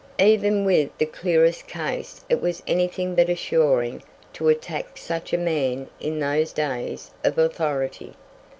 Even with the clearest case it was anything but assuring to attack such a man in those days of authority.